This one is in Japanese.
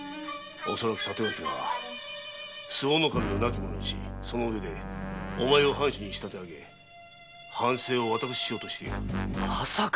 恐らく帯刀は周防守を亡き者にしその上でお前を藩主に仕立てあげ藩政を私しようとしているのだ。